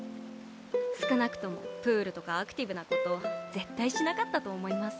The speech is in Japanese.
少なくともプールとかアクティブな事絶対しなかったと思います。